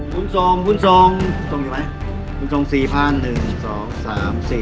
คุณทรงคุณทรงทรงอยู่ไหม